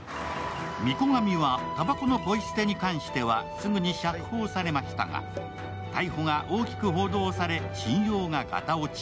御子神はたばこのポイ捨てに関してはすぐに釈放されましたが逮捕が大きく報道され、信用ががた落ち。